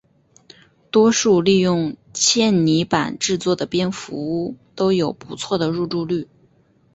多数利用纤泥板制作的蝙蝠屋都有不错的入住率。